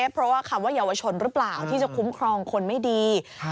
เพราะว่าคำว่าเยาวชนหรือเปล่าที่จะคุ้มครองคนไม่ดี